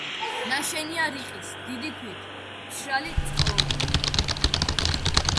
ნაშენია რიყის დიდი ქვით, მშრალი წყობით.